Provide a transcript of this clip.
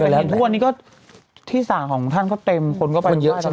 แต่ทุกวันนี้ก็ที่สระของท่านก็เต็มคนก็ไปกว้าง